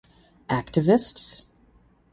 Activists?